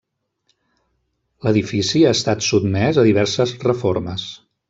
L'edifici ha estat sotmès a diverses reformes.